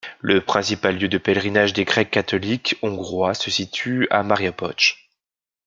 Le principal lieu de pèlerinage des grecs-catholiques hongrois se situe à Máriapócs.